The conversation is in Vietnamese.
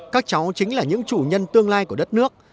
các cháu chính là những chủ nhân tương lai của đất nước